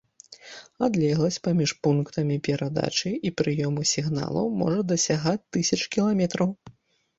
Адлегласць паміж пунктамі перадачы і прыёму сігналаў можа дасягаць тысяч кіламетраў.